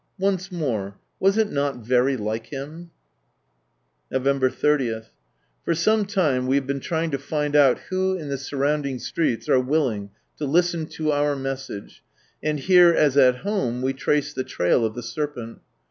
Once more, was it not very hke Him P November 30. — For some time we have been trying to find out who in the sur rounding streets are willing to listen to our message, and here, as at home, we trace the trail of the serpent.